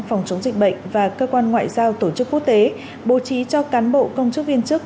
phòng chống dịch bệnh và cơ quan ngoại giao tổ chức quốc tế bố trí cho cán bộ công chức viên chức